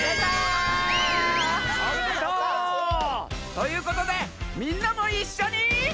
おめでとう！ということでみんなもいっしょに。